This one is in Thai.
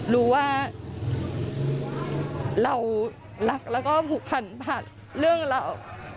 รู้ว่าเรารักแล้วก็ผุดผัดเรื่องเรา